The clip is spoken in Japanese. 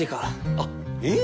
あっええ